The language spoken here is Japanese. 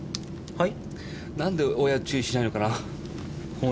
はい？